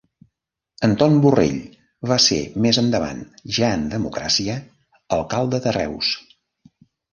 Anton Borrell va ser més endavant, ja a la democràcia, alcalde de Reus.